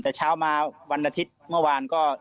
แต่เช้ามาวันอาทิตย์เมื่อวานก็